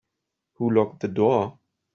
Who locked the door?